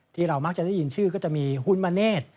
ที่เรามักจะได้ยินชื่อก็จะมีฮุนมเนธ